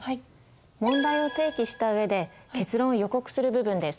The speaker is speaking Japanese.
問題を提起した上で結論を予告する部分です。